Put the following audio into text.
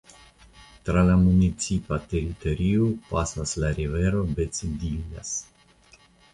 Tra la municipa teritorio pasas la rivero Becedillas.